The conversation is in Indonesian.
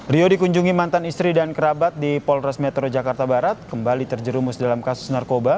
rio dikunjungi mantan istri dan kerabat di polres metro jakarta barat kembali terjerumus dalam kasus narkoba